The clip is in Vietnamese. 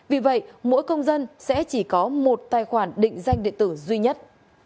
vì vậy mỗi công dân sẽ chỉ có một tài khoản định danh điện tử duy nhất